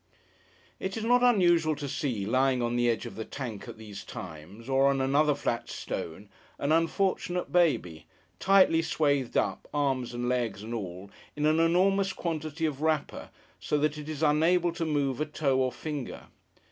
It is not unusual to see, lying on the edge of the tank at these times, or on another flat stone, an unfortunate baby, tightly swathed up, arms and legs and all, in an enormous quantity of wrapper, so that it is unable to move a toe or finger.